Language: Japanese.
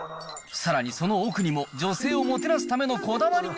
さらにその奥にも女性をもてなすためのこだわりが。